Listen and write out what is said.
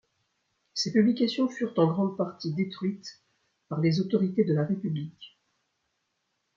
Ses publications furent en grande partie détruites par les autorités de la République.